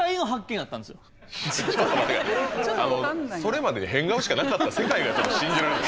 それまで変顔しかなかった世界が信じられない。